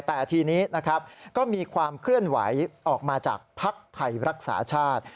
แต่ทีนี้นะครับก็มีความเคลื่อนไหวออกมาจากภักดิ์ไทยรักษาชาติ